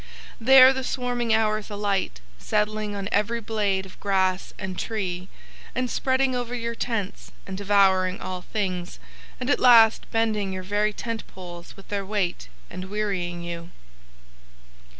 There the swarming hours alight, settling on every blade of grass and tree, and spreading over your tents and devouring all things, and at last bending your very tent poles with their weight and wearying you.